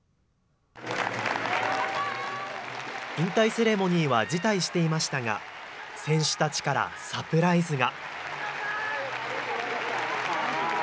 引退セレモニーは辞退していましたが選手たちからサプライズが。